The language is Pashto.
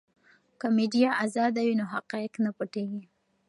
که میډیا ازاده وي نو حقایق نه پټیږي.